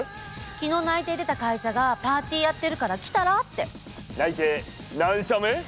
昨日内定出た会社が「パーティーやってるから来たら」って。内定何社目？